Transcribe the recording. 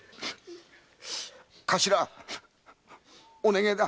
頭お願いだ。